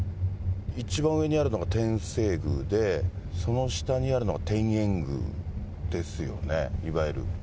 一番上にあるのが天正宮で、その下にあるのが天苑宮ですよね、いわゆる。